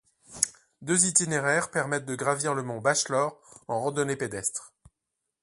Deux itinéraires permettent de gravir le mont Bachelor en randonnée pédestre.